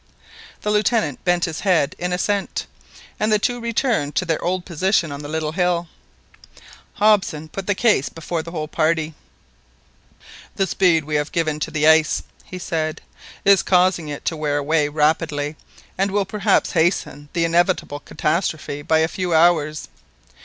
The Lieutenant bent his head in assent, and the two returned to their old position on the little hill. Hobson put the case before the whole party. "The speed we have given to the ice," he said, "is causing it to wear away rapidly, and will perhaps hasten the inevitable catastrophe by a few hours.